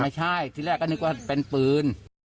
ไม่ใช่ที่แรกก็นึกว่าเป็นปืน